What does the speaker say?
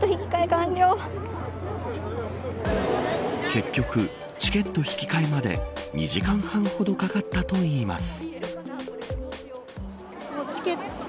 結局、チケット引き換えまで２時間半ほどかかったといいます。